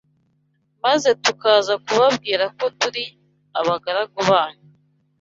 maze tukaza kubabwira ko turi abagaragu banyu. ‘